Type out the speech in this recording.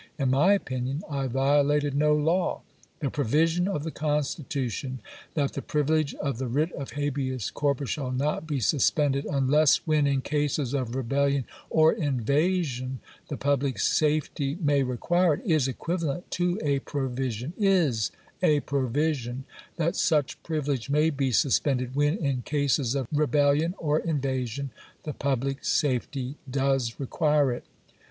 In my opinion, I violated no law. The provision of the Constitution that The privilege of the writ of habeas corpus shall not be suspended unless when, in cases of rebellion or invasion, the public safety may require it," is equivalent to a provision — is a pro vision — that such privilege may be suspended when, in cases of rebellion or invasion, the public safety does require it.